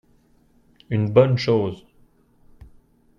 une bonne chose.